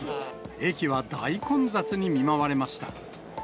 駅は大混雑に見舞われました。